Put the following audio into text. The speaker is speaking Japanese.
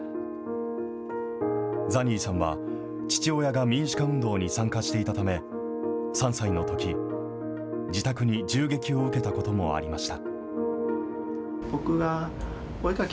ザニーさんは、父親が民主化運動に参加していたため、３歳のとき、自宅に銃撃を受けたこともありました。